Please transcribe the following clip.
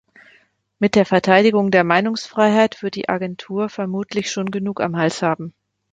Mit der Verteidigung der Meinungsfreiheit wird die Agentur vermutlich schon genug am Hals haben.